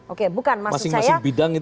oke bukan maksud saya